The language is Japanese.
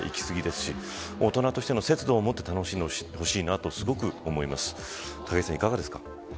し大人としての節度をもって楽しんでほしいなとすごく思います。